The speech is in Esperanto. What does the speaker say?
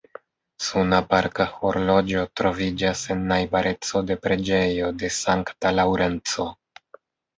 Suna parka horloĝo troviĝas en najbareco de preĝejo de sankta Laŭrenco.